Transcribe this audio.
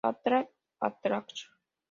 Attack attack!